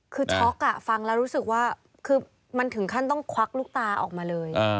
คือช็อกฟังแล้วรู้สึกว่าคือมันถึงขั้นต้องควักลูกตาออกมาเลย